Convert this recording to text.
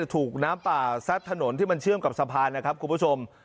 ถูกน้ำป่าซัดถนนที่มันเชื่อมกับสะพานนะครับคุณผู้ชม